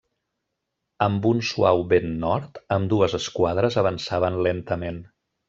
Amb un suau vent nord, ambdues esquadres avançaven lentament.